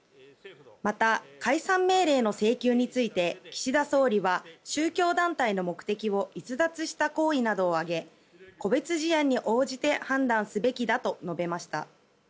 また、解散命令の請求について岸田総理は宗教団体の目的を逸脱した行為などを挙げ個別事案に応じて判断すべきだと述べました。